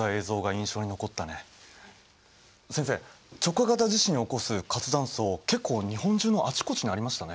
先生直下型地震を起こす活断層結構日本中のあちこちにありましたね？